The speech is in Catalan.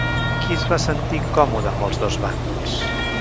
Qui es va sentir incòmode amb els dos bàndols?